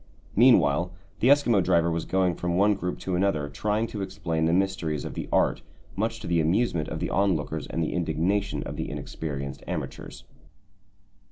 Meanwhile the Eskimo driver was going from one group to another, trying to explain the mysteries of the art, much to the amusement of the onlookers and the indignation of the inexperienced amateurs.